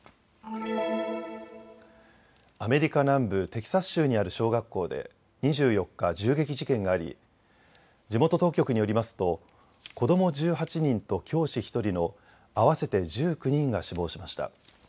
アメリカ南部、テキサス州にある小学校で２４日、銃撃事件があり地元当局によりますと子ども１８人と教師１人の合わせて１９人が死亡しました。